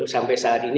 sampai saat ini